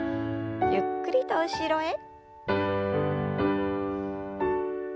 ゆっくりと後ろへ。